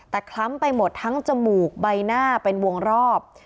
แต่คล้ำไปหมดทั้งจมูกใบหน้าเป็นวงรอบ